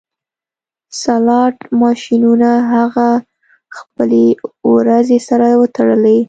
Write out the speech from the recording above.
سلاټ ماشینونه هغه خپلې وروځې سره وتړلې